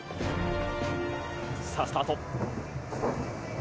さあ、スタート。